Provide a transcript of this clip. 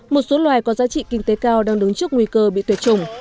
một số loài có giá trị kinh tế cao đang đứng trước nguy cơ bị tuyệt chủng